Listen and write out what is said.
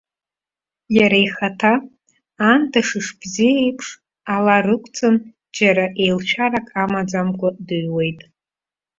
Иара ихаҭа, аандашыш бзиа еиԥш, алар ықәҵан, џьара еилшәарак амаӡамкәа дыҩуеит.